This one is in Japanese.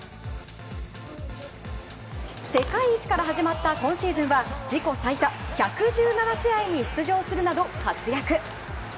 世界一から始まった今シーズンは自己最多１１７試合に出場するなど活躍。